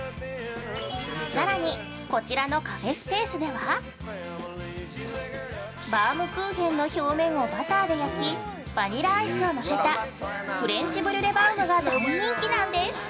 さらにこちらのカフェスペースではバウムクーヘンの表面をバターで焼き、バニラアイスを乗せたフレンチブリュレバウムが大人気なんです！